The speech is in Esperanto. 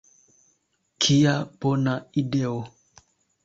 Kia bona ideo!